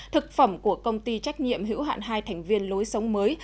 thực phẩm của công ty trách nhiệm hữu hạn hai thành viên lối sống mới